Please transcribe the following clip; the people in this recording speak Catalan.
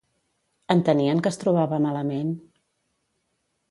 Entenien que es trobava malament?